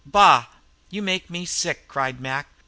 "Bah' You make me sick," cried Mac.